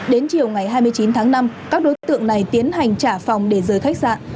đến chiều ngày hai mươi chín tháng năm các đối tượng này tiến hành trả phòng để rời khách sạn